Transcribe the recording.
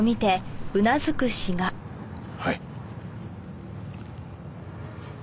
はい。